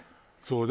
そう。